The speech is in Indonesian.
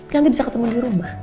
nanti bisa ketemu dirumah